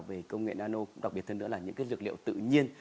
về công nghệ nano đặc biệt hơn nữa là những cái dược liệu tự nhiên